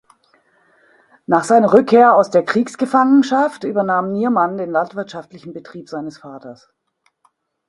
Nach seiner Rückkehr aus der Kriegsgefangenschaft übernahm Niermann den landwirtschaftlichen Betrieb seines Vaters.